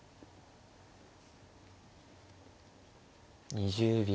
２０秒。